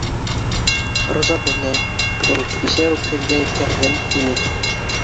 Роза белә, ул, кисә үк һеҙгә еткерҙем, тине